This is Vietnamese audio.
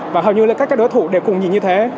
và hầu như là các đối thủ đều cùng nhìn như thế